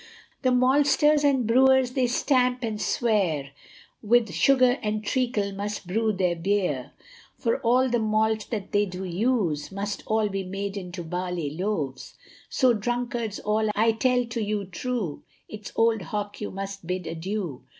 The maltsters and brewers they stamp and swear, With sugar and treacle must brew their beer, For all the malt that they do use, Must all be made into barley loaves; So drunkards all I tell to you true, It's old hock you must bid adieu!